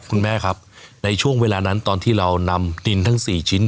คุณแม่ครับในช่วงเวลานั้นตอนที่เรานำดินทั้ง๔ชิ้น